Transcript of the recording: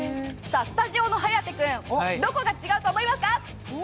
スタジオの颯君、どこが違うと思いますか？